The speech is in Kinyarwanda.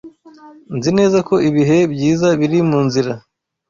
Nzi neza ko ibihe byiza biri munzira.